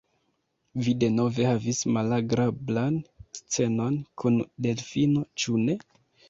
Vi denove havis malagrablan scenon kun Delfino; ĉu ne?